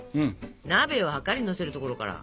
鍋をはかりにのせるところから。